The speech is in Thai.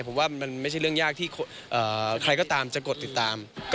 ผมว่าไม่ได้ยากที่ใครก็ตามอยู่ติดตาม